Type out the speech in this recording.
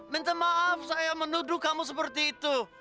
minta maaf saya menuduh kamu seperti itu